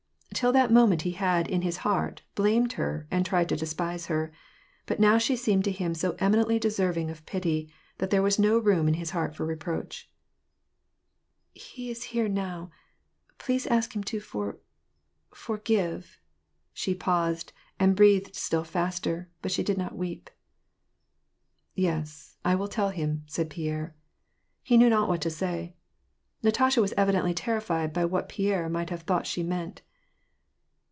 Till tha moment, he had, in his heart, blamed her, and tried to despia%. her ; but now she seemed to him so eminently deserving of pity, that there was no room in his heart for reproach. "He is here now; please ask him to for — forgive" — shi paused, and breathed still faster, but she did not weep. " Yes, I will tell him," said Pierre. He knew not what to say. Natasha was evidently terrified by what Pierre might, have thought she meant.